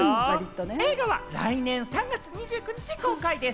映画は来年３月２９日公開です。